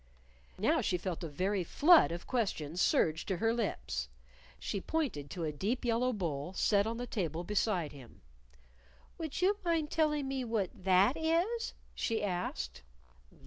Now she felt a very flood of questions surge to her lips. She pointed to a deep yellow bowl set on the table beside him. "Would you mind telling me what that is?" she asked.